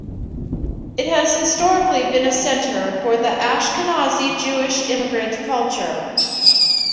It has historically been a center for Ashkenazi Jewish immigrant culture.